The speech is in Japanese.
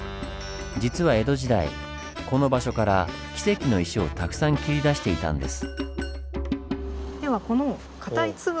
実は江戸時代この場所からキセキの石をたくさん切り出していたんです。